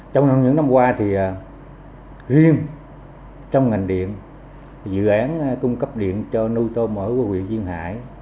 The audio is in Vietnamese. trong những năm qua thì riêng trong ngành điện dự án cung cấp điện cho nuôi tôm ở huyện duyên hải